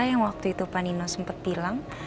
yang waktu itu panino sempet bilang